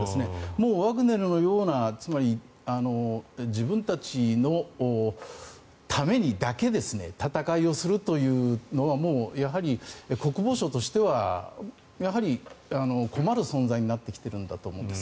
もう、ワグネルのようなつまり、自分たちのためにだけ戦いをするというのはもう、国防省としては困る存在になってきているんだと思うんです。